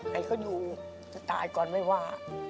ให้เขาอยู่จะตายก่อนไม่ว่า